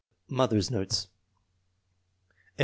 Mother's notes. M.